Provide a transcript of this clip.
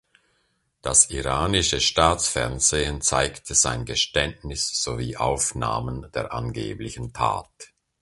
Das iranische Staatsfernsehen zeigte sein Geständnis sowie Aufnahmen der angeblichen Tat.